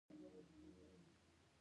او پښتونخوا کې یې بودیزم خپراوه.